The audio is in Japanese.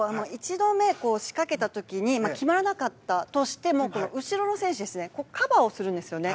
１度目、仕掛けた時に決まらなかったとしても後ろの選手がカバーをするんですよね。